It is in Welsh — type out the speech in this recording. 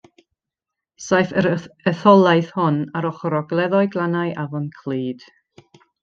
Saif yr etholaeth hon ar ochr ogleddol glannau Afon Clud.